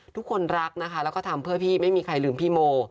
ทุกคนรักนะคะแล้วก็ทำเพื่อพี่ไม่มีใครลืมพี่โม